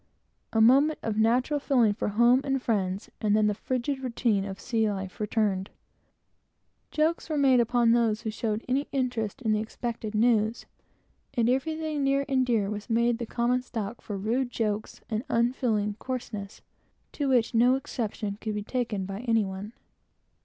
A moment of natural feeling for home and friends, and then the frigid routine of sea life returned. Jokes were made upon those who showed any interest in the expected news, and everything near and dear was made common stock for rude jokes and unfeeling coarseness, to which no exception could be taken by any one.